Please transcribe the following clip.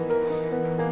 udah sarah cepat